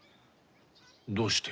どうして？